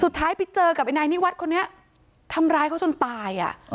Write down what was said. ไปเจอกับไอ้นายนิวัฒน์คนนี้ทำร้ายเขาจนตายอ่ะ